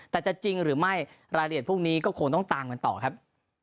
แต่จะจริงหรือไม่รายละเอียดพวกนี้ก็คงต้องตามกันต่อครับ